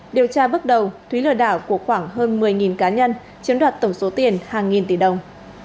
điều tra bước đầu thúy lừa đảo của khoảng hơn một mươi cá nhân chiếm đoạt tổng số tiền hàng nghìn tỷ đồng